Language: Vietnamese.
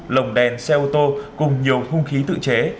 lồng đèn xe ô tô cùng nhiều hung khí tự chế